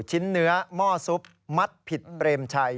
ชิ้นเนื้อหม้อซุปมัดผิดเปรมชัย